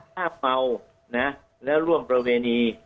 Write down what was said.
ถ้าเมานะแล้วร่วมประเวณี